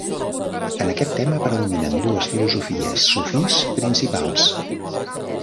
En aquest tema predominen dues filosofies sufís principals.